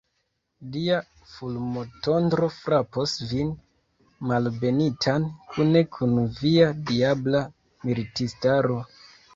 Dia fulmotondro frapos vin, malbenitan, kune kun via diabla militistaro!